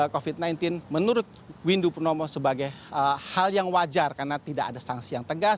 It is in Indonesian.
covid sembilan belas menurut windu purnomo sebagai hal yang wajar karena tidak ada sanksi yang tegas